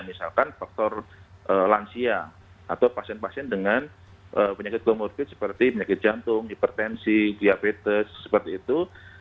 misalkan faktor lansia atau pasien pasien dengan penyakit komorbid seperti penyakit jantung hipertensi diabetes seperti itu